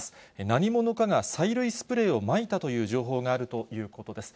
何者かが催涙スプレーをまいたという情報があるということです。